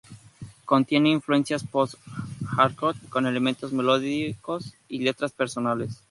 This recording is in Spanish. Contiene influencias post-hardcore con elementos melódicos y letras personales.